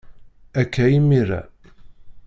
Akka imir-a.